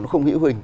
nó không hữu hình